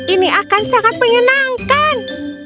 ini akan sangat menyenangkan